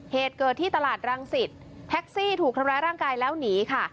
เหตุเกิดที่ตลาดรังสิตแท็กซี่ถูกทำร้ายร่างกายแล้วหนีค่ะ